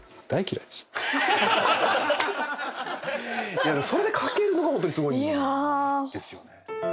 いやでもそれで書けるのがホントにすごいですよね。